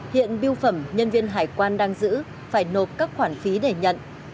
hiện biêu phẩm nhân viên hải quan đang giữ phải nộp các khoản phí để nhận